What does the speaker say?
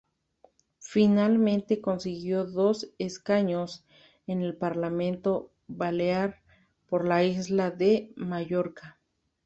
Finalmente consiguió dos escaños en el Parlamento balear por la isla de Mallorca.